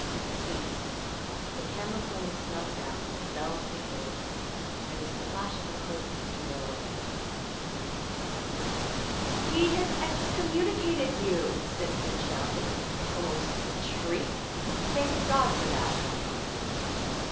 It ceased; the candle flame snuffed out, the bell tinkled, there was the flash of a cope in the doorway, and the priest was gone. "He has excommunicated you!" Simpson shouted, almost shrieked. "Thank God for that, my people!"